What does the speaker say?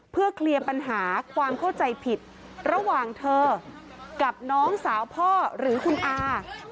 เพื่อเคลียร์ปัญหาความเข้าใจผิดระหว่างเธอกับน้องสาวพ่อหรือคุณอา